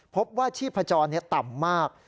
พบว่าชีพจรต่ำมาก